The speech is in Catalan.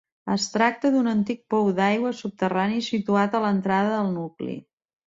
Es tracta d'un antic pou d'aigua subterrani situat a l'entrada del nucli.